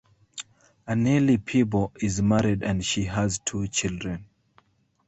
Annely Peebo is married and she has two children.